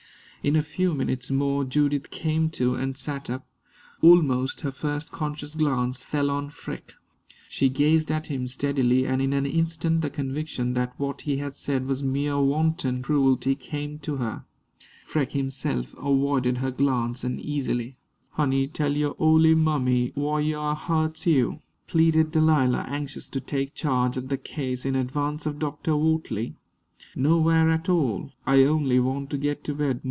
In a few minutes more Judith came to and sat up. Almost her first conscious glance fell on Freke. She gazed at him steadily, and in an instant the conviction that what he had said was mere wanton cruelty came to her. Freke himself avoided her glance uneasily. "Honey, tell yo' ole mammy wh'yar hu'ts you," pleaded Delilah, anxious to take charge of the case in advance of Dr. Wortley. "Nowhere at all. I only want to get to bed.